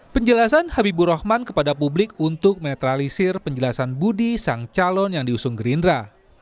penjelasan habibur rahman kepada publik untuk menetralisir penjelasan budi sang calon yang diusung gerindra